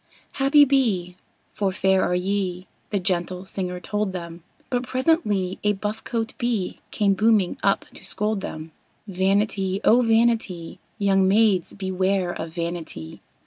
"Happy be! for fair are ye!" the gentle singer told them; But presently a buff coat Bee came booming up to scold them. "Vanity, oh, vanity! Young maids, beware of vanity!"